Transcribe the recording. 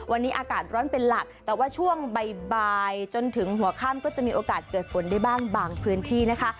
วันนี้อากาศร้อนเป็นหลักแต่ว่าช่วงบ่ายจนถึงหัวข้ามก็จะมีโอกาสเกิดฝนได้บ้างบางพื้นที่นะคะ